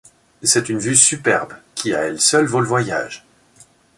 C'est une vue superbe, qui, à elle seule, vaut le voyage.